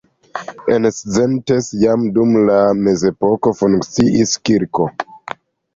En Szentes jam dum la mezepoko funkciis kirko.